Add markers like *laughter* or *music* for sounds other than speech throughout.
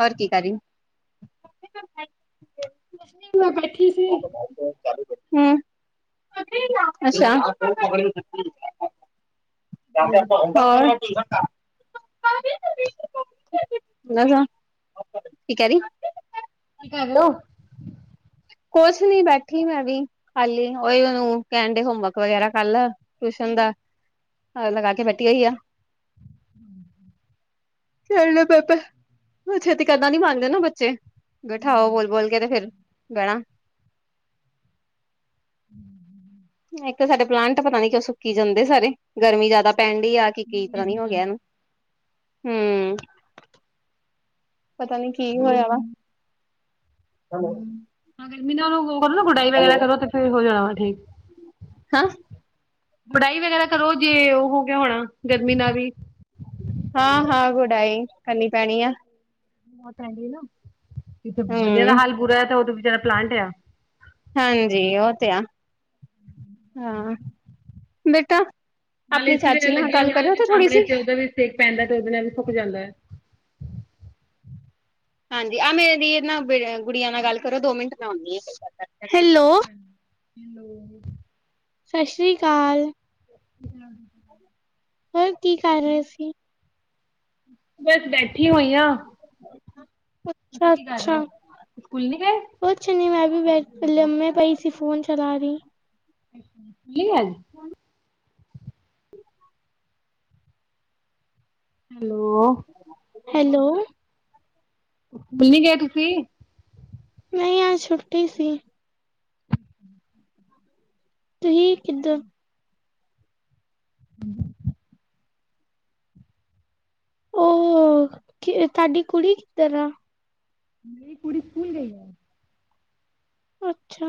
ਹੋਰ ਕੀ ਕਰ ਰਹੀ? ਮੈ ਬੈਠੀ ਸੀ। ਹਮ, ਅੱਛਾ। ਔਰ ਕੀ ਕਹਿ ਰਹੀ? ਕੀ ਕਰ ਰੇ ੳ? ਕੁਛ ਨੀ ਬੈਠੀ ਮੈਂ ਵੀ ਖਾਲੀ, ੳਹੀ ਉਹਨੂੰ ਕਹਿਣ ਡਈ, ਹੋਮਵਰਕ ਵਗੈਰਾ ਕਰਲੋ। ਟਿਉਸ਼ਨ ਦਾ, ਲਗਾ ਕੇ ਬੈਠੀ ਹੋਈ ਆ। ਹਮ। *unintelligible* ਬਹਿ-ਬਹਿ ਛੇਤੀ ਕਰਦਾਂ ਨੀ ਮੰਣਦੇ ਨਾ ਬੱਚੇ, ਬਿਠਾਓ ਬੋਲ-ਬੋਲ ਕੇ, ਤੇ ਫੇਿਰ ਬਹਿਣਾ ਇੱਕ ਸਾਡੇ, ਪਲਾਂਟ ਪਤਾ ਨੀ ਕਿਉ ਉਹ ਸੁੱਕੀ ਜਾਂਦੇ ਸਾਰੇ, ਗਰਮੀ ਜ਼ਿਆਦਾ ਪੈਣ ਦਈ ਆ ਕੀ, ਕੀ ਇੱਕ ਪਤਾ ਨੀ ਹੋ ਗਿਆ ਇਹਨੂੰ। ਹਮ। ਪਤਾ ਨੀ, ਕੀ ਹੋਇਆ ਵਾ। ਗਰਮੀ ਨਾਲ ਗੁਡਾਈ ਵਗੈਰਾ ਕਰੋ ਤੇ, ਫੇਰ ਹੋ ਜਾਣਾ ਵਾ ਠੀਕ। ਹਾਂ। ਗੜ੍ਹਾਈ ਵਗੈਰਾ ਕਰੋ, ਜੇ ਉਹ ਗਿਆ ਹੋਣਾ ਗਰਮੀ ਨਾਲ ਵੀ ਹਾਂ-ਹਾਂ ਗੁਡਾਈ, ਕਰਨੀ ਪੈਣੀ ਆ। ਬਹੁਤ ਹੈ ਨਾ, ਜਿੱਥੇ ਬੰਦੇ ਦਾ ਹੂੰ, ਹਾਲ ਬੁਰਾ ਆ, ਤੇ ਉਦੋਂ ਵਿਚਾਰਾਂ ਪਲਾਂਟ ਆ। ਹਾਂਜੀ ਉਹ ਤੇ ਆ, ਹਾਂ, ਬੇਟਾ ਆਪਣੀ ਮਵਰੀ ਚਾਚੀ ਨਾਲ ਲੱਗਿਆ ਗੱਲ ਹੋਣਾ ਕਰਿਓ ਵੀ ਥੋੜ੍ਹੀ ਸਾਹਮਣੇ, ਸੀ ਤੇ ਉਹਦਾ ਵੀ ਸੇਕ ਪੈਂਦਾ, ਤੇ ਉਹਦੇ ਨਾਲ ਵੀ ਸੁੱਕ ਜਾਂਦਾ ਹੈ। ਹਾਂਜੀ ਆਹ ਮੇਰੇ ਦੀ ਇਹ ਨਾ, ਗੁੜੀਆਂ ਨਾਲ ਗੱਲ ਕਰੋ ਦੋ ਮਿੰਟ ਮੈਂ, ਆਉਂਣੀ ਆ ਹੈਲੋ, ਸਤਿ ਸ੍ਰੀ ਅਕਾਲ ਹੂ ਹੋਰ ਕੀ ਕਰ ਰਹੇ ਸੀ ਬਸ ਬੈਠੀ ਹੋਈ ਹਾਂ ਤੁਸੀਂ ਕੀ ਕਰ ਰਹੇ ਅੱਛਾ-ਅੱਛਾ, ਹੋ, ਸਕੂਲ ਨੀ ਗਏ ਕੁਛ ਨੀ ਮੈਂ, ਵੀ ਬੈਠੀ ਲੱਮੈਂ ਪਾਈ ਸੀ। ਫੋਨ ਚਲਾ ਰਹੀ ਅੱਜ ਕੀ ਆ ਹੈਲੋ, ਹੈਲੋ ਸਕੂਲ ਗਏ ਤੁਸੀਂ ਨਹੀਂ ਅੱਜ ਛੁੱਟੀ ਸੀ। ਤੁਸੀਂ ਕਿੱਦਾ ਹਮ ਉਹ ਕੀ, ਤੁਹਾਡੀ ਕੁੜੀ ਕਿੱਧਰ ਆ। ਮੇਰੀ ਕੁੜੀ ਸਕੂਲ ਗਈ ਆ। ਅੱਛਾ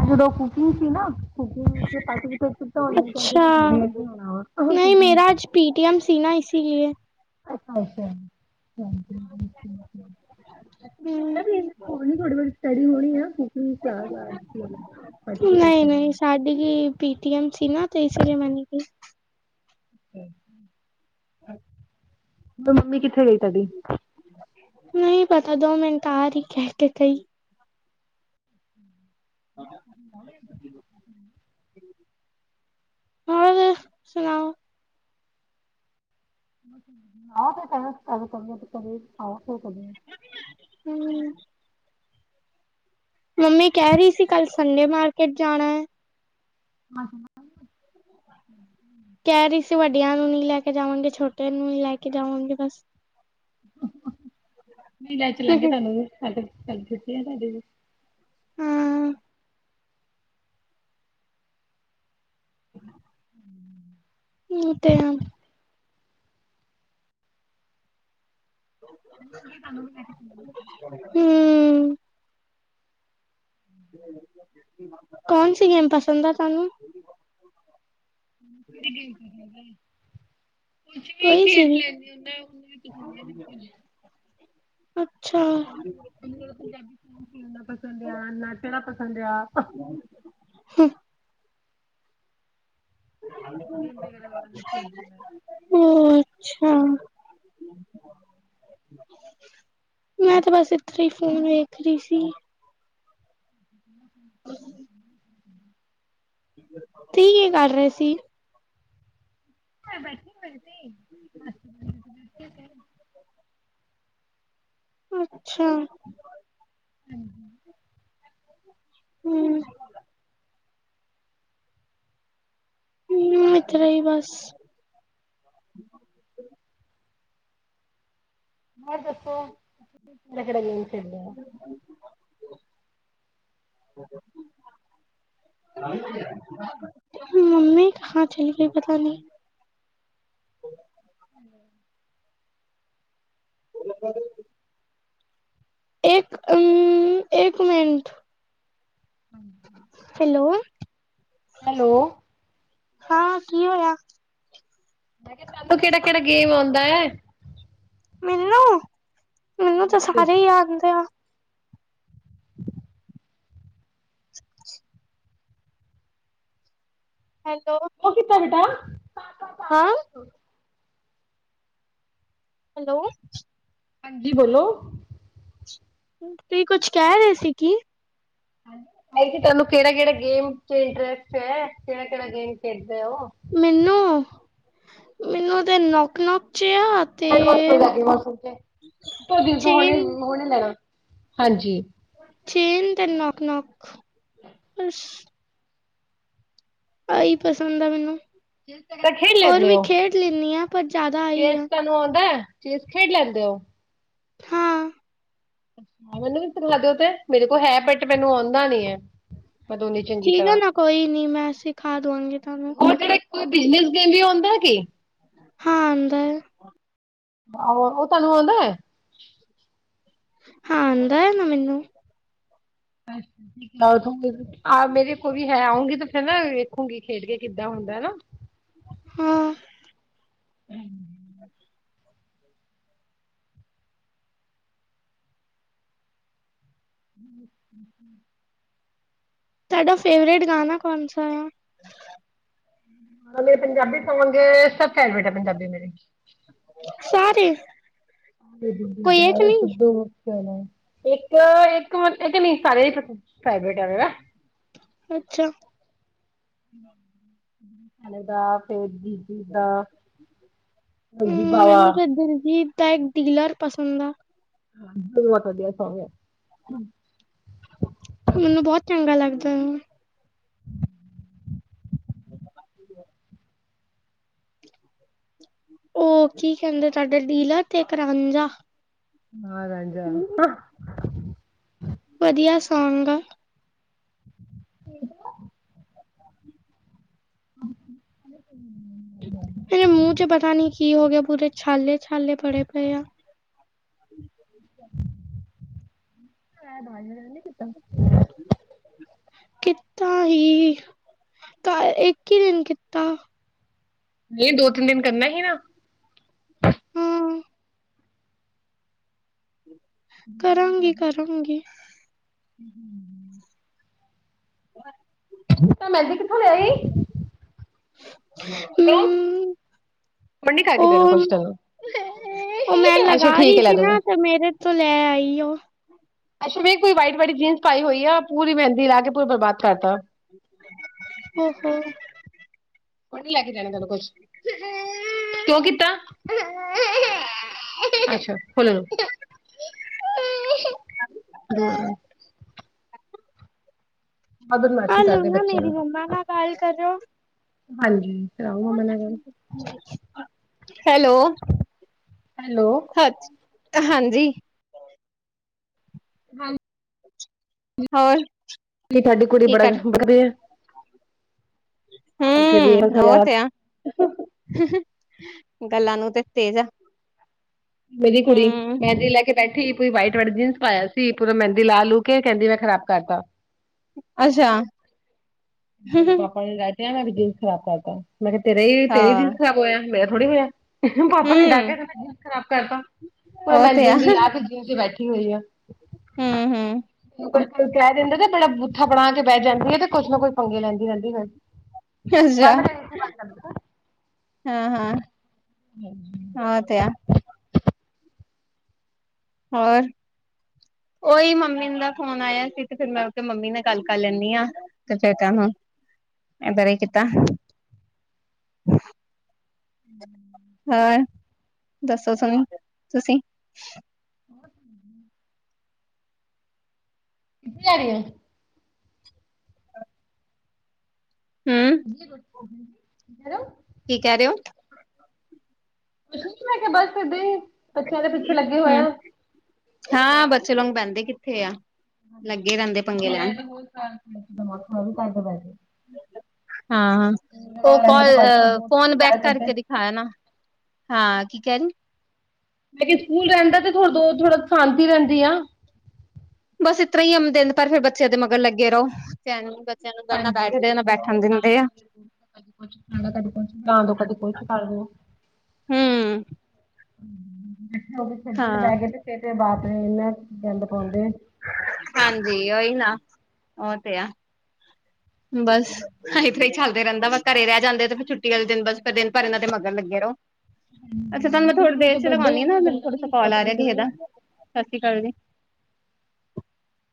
ਅੱਜ ਦੋ, ਕੁਕਿੰਗ ਸੀ ਨਾ ਕੁਕਿੰਗ ਕੀਤਾ ਹੇ ਵ, ਅੱਛਾ-ਅੱਛਾ, ਨਹੀਂ ਮੇਰਾ ਅੱਜ ਪੀ ਟੀ ਐਮ ਸੀ ਨਾ, ਇਸ ਲਈਏ ਅੱਛਾ-ਅੱਛਾ ਹੋ, ਹੂੰ। ਥੋੜੀ ਬਹੁਤੀ ਸਟੱਡੀ ਹੋਣੀ ਆ ਕੁਕਿੰਗ ਕਲਾਸ ਅੱਜ ਵੀ ਪੇਪਰ ਸਾਡੀ ਵੀ ਪੀਟੀ ਐਮ ਸੀ ਨਾ ਇਸੇ ਲਈ ਮੈ ਨਹੀਂ ਗਈ ਅੱਛਾ ਅੱਛਾ ਮੰਮੀ ਕਿੱਥੇ ਗਈ ਤੁਹਾਡੀ ਨਹੀਂ ਪਤਾ ਦੋ, ਮਿੰਟ ਆ ਰਹੀ ਕਹਿ ਕੇ ਗਈ ਹ ਹੋਰ ਸੁਣਾਓ ਆਹੋ ਤੇ ਕਦੀ ਕਰਦੇ ਤੇ ਕਦੇ ਆਓ ਫੇਰ ਕਦੇ ਹੂ ਮੰਮੀ ਕਹਿ ਰਹੀ ਸੀ ਕੱਲ ਸੰਡੇ ਮਾਰਕਿਟ ਜਾਣਾ ਹੈ ਮੰਮੀ ਕਹਿ ਰਹੀ ਸੀ! ਵੱਡੀਆਂ ਨੂੰ ਨੀ, ਲੈ, ਕੇ ਜਾਵਾਂਗੇ ਛੋਟਿਆਂ ਨੂੰ ਨੀ, ਲੈ, ਕੇ ਜਾਵਾਂਗੇ ਬਸ ਨਹੀਂ ਲੈ ਚਲਾਂਗੇ ਤੁਹਾਨੂੰ ਵੀ, ਸਾਡੀ ਛੁਟੀ ਆ ਤੁਹਾਡੀੇ ਵੀ, ਹੂ ਇਹ ਤੇ ਗੇ ਤੁਹਾਨੂੰ ਵੀ ਲੈ ਕੇ ਚਗੇ ਹੂ ਕੌਣ ਸੀ ਗੇਮ ਪਸੰਦ ਆ ਤੁਹਾਨੂੰ ਕਿਰਕਟ ਕੁਝ ਵੀ ਕੋਈ ਸੀ ਖੇਡ ਲੈਂਦੀ ਉਹ-ਉਹ ਲੈ ਦੀ ਅੱਛਾ ਮੈਨੂੰ ਪੰਜਾਬੀ ਸੌਗ ਸੁਣਣਾ ਪਸੰਦ ਆ ਨੱਚਣਾ ਪਸੰਦ ਆ ਗੇਮ ਵਗੈਰਾ ਉਹਨਾਂ ਨੇ, ਖੇਡਦੀਆਂ ਉ ਅੱਛਾ। ਹੂ *unintelligible* ਮੈਂ ਤੇ ਬਸ ਇਥੇ ਹੀ ਫੋਨ ਵੇਖ ਰਹੀ ਸੀ। *unintelligible* *unintelligible* ਤੁਸੀ ਕੀ ਕਰ ਰਹੇ ਸੀ? ਇਹ ਬੈਠੀ ਹੈ *unintelligible* *unintelligible* ਅੱਛਾ। ਹੂੰ -ਹੂੰ। ਹੂੰ। ਹੂੰ, ਇਦਰੇ ਹੀ ਬਸ ਹੋਰ ਦੱਸੋ, ਕਿਹੜੇ-ਕਿਹੜੇ ਗੇਮ ਖੇਲੇਆ? *inaudible* *unintelligible* ਮੰਮੀ ਕਹਾਂ ਚਲੀ ਗਈ ਪਤਾ ਨੀ? ਹੈਲੋ। *inaudible* ਇੱਕ- ਇੱਕ ਮਿੰਟ ਹੈਲੋ, ਹੈਲੋ। ਹਾਂ ਕੀ ਹੋਇਆ? ਮੈਂ ਕਿਹਾ ਤੈਨੂੰ ਕਿਹੜਾ-ਕਿਹੜਾ ਗੇਮ ਆਉਂਦਾ ਐ? ਮੈਨੂੰ- ਮੈਨੂੰ ਤਾਂ ਸਾਰੇ ਹੀ ਆਂਦੇ ਆ। *inaudible* *inaudible* ਹੈਲੋ। ਉ ਕਿਥੇ ਬੇਟਾ? ਹਾਂ। ਹੈਲੋ। ਹਾਂਜੀ, ਬੋਲੋ। ਕਿ ਕੁੱਝ ਕਹਿ ਰਹੇ ਸੀ ਕਿ? ਭਈ ਤੁਹਾਨੂੰ ਕਿਹੜਾ-ਕਿਹੜਾ ਗੇਮ ਚ ਇੰਟਰਸਟ ਐ ਕਿਹੜਾ-ਕਿਹੜਾ ਗੇਮ ਖੇਡਦੇ ਉ ਮੈਨੂੰ- ਮੈਨੂੰ ਤੇ ਨੌਕ-ਨੋਕ ਚ ਆ। ਤੇ ਮੌਨ ਹੋ ਜਾਂਦੀ ਹੈ ਤੁਹਾਡੀ ਅਵਾਜ ਸੁਣਕੇ ਤੋਂ ਚੇਨ ਹੁਣੇ-ਹੁਣੇ ਲੈਣਾ ਹਾਂਜੀ। ਸੇਮ ਤੇ ਨੌਕ ਨੌਕ। ਆਹੀ ਪਸੰਦ ਆ ਮੈਨੂੰ। ਖੇਡ ਹੋਰ ਲੈਣੇ ਵੀ ਹੋ, ਖੇਡ ਲੈਂਦੀ ਆ ਪਰ ਜ਼ਿਆਦਾ ਆਹੀ ਚੇਸ ਆ ਤੁਹਾਨੂੰ ਆਦਾ। ਚੈਸ ਖੇਡ ਲੈਂਦੇ ਹੋ? ਹਾਂ! ਮੈਨੂੰ ਵੀ ਸਿਖਾ ਦਿਓ ਤੇ, ਮੇਰੇ ਕੋਲ ਹੈ ਬੱਢਟ ਮੈਨੂੰ ਆਉਂਦਾ ਨੀ ਹੈ। ਪਤਾ ਨੀ ਚੰਗੀ ਠੀਕ ਹੈ ਤਰ੍ਹਾਂ ਨਾ ਕੋਈ ਨੀ, ਮੈਂ ਸੀਂਖਾ ਦੇਵਾਂਗੀ ਤੁਹਾਨੂੰ। ਹੋਰ ਜਿਹੜਾ ਕੋਈ ਬਿਜਨਸ ਗੇਮ ਵੀ ਆਉਂਦਾ ਹੈ ਕੇ? ਹਾਂ! ਅਦਰ। ਆਹੋ, ਉ ਤੂਹਾਨੂੰ ਆ਼ਦਾ ਏ। ਹਾਂ! ਅਦਾ ਏ ਨਾ ਮੈਨੂੰ। ਮੇਰੇ ਕੋਲ ਵੀ ਹੈ ਆਉਂਗੀ ਤਾਂ ਫਿਰ ਨਾ। ਖੂਗੀ ਖੇਡ ਕੇ ਕਿੱਦਾਂ ਹੁੰਦਾ ਹਨਾ। ਹੂੰ! ਹੂੰ! *unintelligible* ਹੂੰ! ਤੁਹਾਡਾ ਫੇਵਰੇਟ ਗਾਣਾ ਕੌਣਸਾ ਆ? ਅਹ ਮੇਰੇ ਪੰਜਾਬੀ ਸੌਗ ਸਭ ਫੈਡਰੇਟ ਹੈ ਪੰਜਾਬੀ ਮੇਰੇ। ਸਾਰੇ। ਕੋਈ ਇੱਕ ਨਹੀਂ ਇੱਕ ਤਲ ਨਹੀਂ ਸਾਰੇ ਇਕ ਸੈਕੰਡ ਫੇਵਰਟ ਹੈਗਾ। ਅੱਛਾ ਹਲੇ ਦਾ- ਫੇਰ ਦੀਦੀ ਦਾ, ਹਮ, ਹਾਂਜੀ। ਮੈਨੂੰ ਤਾਂ ਦਿਲਜੀਤ। ਪੈਂਡੀਲਰ ਪਸੰਦ ਆ। ਹਾਂ ਬਹੁਤ ਵਧਿਆ ਸੋਂਗ ਆ। ਮੈਨੂੰ ਬਹੁਤ ਚੰਗਾ ਲੱਗਦਾ ਹੈ। ਉਹ ਕੀ ਕਹਿੰਦੇ ਤੁਹਾਡੇ ਡੀਲਰ ਤੇ ਇੱਕ ਰਾਂਝਾ। ਹਾ ਰਾਂਝਾ। ਵਧੀਆ ਸੌਗਆ। *unintelligible* *unintelligible* ਮੇਰੇ ਮੁੂੰਹਝੇ ਪਤਾ ਨੀ ਕੀ ਹੋ ਗਿਆ। ਪੂੁਰੇ ਛਾਲੇ-ਛਾਲੇ ਪੜੇ ਪਏ ਆ। ਨੀ ਕੀਤਾ। ਕੀਤਾ ਹੀ। ਇੱਕ ਹੀ ਦਿਨੱ ਕੀਤਾ। ਨਹੀਂ ਦੋ-ਤਿੰਨ ਦਿਨ ਕਰਨਾ ਹੀ ਨਾ। ਹਾਂ ਕਰਾਂਗੀ-ਕਰਾਂਗੀ। *unintelligible* ਹੋਰ। ਤਾਂ ਮੈਂਹਦੀ ਕਿੱਥੋਂ ਲਿਆਈ? ਹੁ। ਨਹੀਂ ਕਰਕੇ ਦੇਣਾ ਕੁਝ ਉਹ ਤੈਨੂੰ ਉਹ ਮੈਂ ਅੱਛਾ ਲਗਾ ਠੀਕ ਰਹੀ ਹੈ ਲੈ ਸੀ ਨਾ ਦੂੰ ਤੇ ਮੇਰੇ ਤੋ ਲੈ ਆਈਓ। ਅੱਛਾ, ਮੈਂ ਕੋਈ ਵਾਈਟ-ਵਾਈਟ ਜੀਨਸ ਪਾਈ ਹੋਈ ਆ ਪੂਰੀ ਮਹਿੰਦੀ ਲਾ ਕੇ ਪੂਰਾ ਬਰਬਾਦ ਕਰਤਾ। *unintelligible* ਹੁਣ ਨਹੀਂ ਲੈ ਕੇ ਦੇਣਾ ਤੈਨੂੰ ਕੁਛ। ਕਿਉਂ ਕੀਤਾ, ਅੱਛਾ ਹੁਣ ਲੋ। *unintelligible* ਬਦਮਾਸ਼ੀ ਆ ਲੋ ਕਰਦੇ ਨਾ ਬੱਚਿਆਂ ਮੇਰੀ ਨੁੰ ਮੰਮਾ ਨਾਲ ਗੱਲ ਕਰੋ ਹਾਂਜੀ, ਕਰਾਓ ਮੰਮਾ ਨਾਲ ਗੱਲ। Hello hello! ਕੀ ਹਾਂਜੀ। ਹਾਂਜੀ। ਹੋਰ। ਕੀ ਤੁਹਾਡੀ ਕੁੜੀ ਬੜਾ ਹੁ, ਉਹ ਤੇ ਆ ਗੱਲਾਂ ਨੂੰ ਤੇ ਤੇਜ ਆ। ਮੇਰੀ ਕੁੜੀ, ਹਮ ਮੈਦੀ ਲੈ ਕੇ ਬੈਠੀ। ਪੂਰੀ ਵਾਈਟ-ਵਾਈਟ ਜਿਨਸ ਪਾਇਆ ਸੀ, ਪੂਰਾ ਮੈਦੀ ਲਾ ਲੂ ਕੇ ਕਹਿੰਦੀ, ਮੈਂ ਖਰਾਬ ਕਰਤਾ। ਅੱਛਾ। ਮੈਨੂੰ ਪਾਪਾ ਨੇ ਡਾਂਟਿਆ ਮੈਂ ਜਿਨਸ ਖਰਾਬ ਕਰਤਾ, ਮੈਂ ਕਿਹਾ ਤੇਰੇ ਈ ਤੇਰੇ ਹਾਂ ਜਿਨਸ ਖਰਾਬ ਹੋਇਆ। ਮੇਰਾ ਥੋੜ੍ਹੀ ਹੋਇਆ ਪਾਪਾ ਨੇ ਹਮ ਡਾਂਟਿਆ ਕਹਿਤਾ ਜਿਨਸ ਖਰਾਬ ਕਰਤਾ ਪੂਰਾ ਉਹ ਤੇ ਆ ਮੈਦੀ ਲਾਹ ਤੇ ਦੀ ਬੈਠੀ ਹੋਈ ਆ। ਹਮ ਹਮ ਕੋਈ ਕੈ ਦਿੰਦਾ ਤੇ, ਬੜ ਬੂਥਾ ਬਣਾ ਕੇ ਬੈ ਜਾਂਦੀ ਐ ਤੇ, ਕੁੱਛ ਨਾ ਕੁੱਝ ਪੰਗੇ ਲੈਂਦੀ ਰਹਿੰਦੀ ਫਿਰ। ਅੱਛਾ ਬੰਦ ਕਰ ਏਸੀ ਬੰਦ ਕਰ ਹਾਂ ਬੇਟਾ। ਹਾਂ, ਐ ਤੇ ਹੈ। ਹੋਰ? ਓਹੀ, ਮੰਮੀ ਦਾ ਫੋਨ ਆਇਆ ਸੀ ਤੇ ਫਿਰ ਮੈਂ ਕਿਹਾ, ਮੰਮੀ ਨਾਲ ਗੱਲ ਕਰ ਲੈਨੀ ਆ। ਤੇ ਚੇਤਨ ਨੂੰ, *unintelligible* ਨੀ ਕੀਤਾ। *inaudible* ਹੋਰ ਦੱਸੋ ਸਾਨੂੰ ਤੁਸੀਂ? *inaudible* ਕਿੱਥੇ ਜਾ ਰੀ ਆ। ਹਮ *unintelligible* ਕੀ ਕੈ ਰੇ ਓ। ਕੁਛ ਨੀ ਮੈਂ ਕਿਆ ਬਸ ਏਦਾਂ ਈ ਬੱਚਿਆਂ ਦੇ ਪਿੱਛੇ ਲੱਗੇ ਹੋਏ ਹਮ ਆ। ਹਾਂ ਬੱਚੇ ਲੋਂਗ ਬੈਂਦੇ ਕਿੱਥੇ ਆ। ਹਾਂ, ਲੱਗੇ ਰਹਿੰਦੇ ਪੰਗੇ ਲੈਣ ਉੱਥੇ ਓ ਦਿਮਾਗ *unintelligible* ਹਾਂ, ਓ ਮੇਰਾ ਰਹਿੰਦਾ ਕਾਲ ਤਾਂ ਪੜ੍ਹਤਾ ਦੋ ਫੋਨ ਬੈਕ ਚਾਰ ਘੰਟੇ ਕਰਕੇ ਦਿਖਾਇਆ ਮੈਂ ਨਾ। ਹਾਂ ਕੀ ਕੈ ਰੀ। ਮੈਂ ਕਿਆ ਸਕੂਲ ਰਹਿੰਦਾ ਥੋੜਾ ਓਦੋ ਥੋੜਾ ਸਾਂਤੀ ਰਹਿੰਦੀ ਆ। ਬਸ ਇਤਰਾਂ ਈ ਆ ਦੀਂ ਭਰ ਫਿਰ ਬੱਚਿਆਂ ਦੇ ਮਗਰ ਲੱਗੇ ਰੋ। ਹਾਂਜੀ‌‌ *unintelligible* *unintelligible* ਹਮ ਬੈਠੇ ਹੋ ਕੇ ਛੱਡਣ ਬੈਗ ਤੇ ਫਿਰ ਤੇ ਬਾਤਨਾ ਗੰਦ ਪਾਉਂਦੇ। ਹਾਂਜੀ ਓਹੀ ਨਾ ਓ ਤੇ ਆ। ਬਸ ਏਥੋਂ ਈ ਚੱਲਦੇ ਰਹਿੰਦਾ ਵਾ ਘਰੇ ਰੈ ਜਾਂਦੇ ਤੇ ਫਿਰ ਛੁੱ ਟੀ ਆਲੇ ਦਿਨ ਬਸ ਦਿਨ ਭਰ ਏਨਾਂ ਦੇ ਮਗਰ ਲੱਗੇ ਰੋ। ਅੱਛਾ, ਤੁਹਾਨੂੰ ਹਾਂਜੀ, ਮੈਂ ਮੇਰੀ ਥੋੜੀ ਕੁੜੀ ਦੇਰ ਦਾ ਚ ਬਰਥਡੇ ਲਗਾਉਣੀ ਆ ਨਾ ਤੇ ਮੂੰ ਜਾਣਾ ਥੋੜਾ ਸਾ ਸੀ ਕਾਲ ਆ ਰਿਆ ਸ਼ਾਪਿੰਗ ਕਿਸੇ ਕਰਨ ਦਾ ਸਤਿ ਸ੍ਰੀ ਕਾਲ ਜੀ।